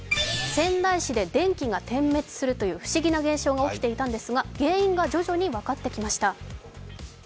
仙台市で電気が点滅するという不思議な現象が起きていたんですが原因が徐々に分かってきました。